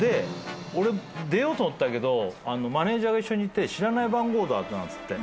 俺出ようと思ったけどマネジャーが一緒にいて「知らない番号だ」って。